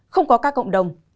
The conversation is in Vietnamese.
không có ca cộng đồng